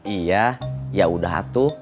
iya yaudah tuh